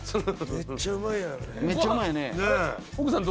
めっちゃうまいよね。